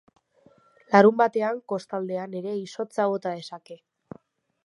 Larunbatean, kostaldean ere izotza bota dezake.